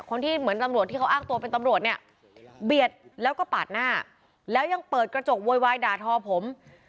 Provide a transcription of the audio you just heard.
คนที่เหมือนตำรวจที่เขาอ้างตัวเป็นตำรวจเนี่ยเบียดแล้วก็ปาดหน้าแล้วยังเปิดกระจกโวยวายด่าทอผม